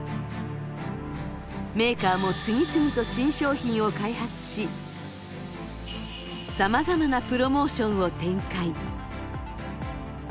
メーカーも次々と新商品を開発しさまざまなプロモーションを展開。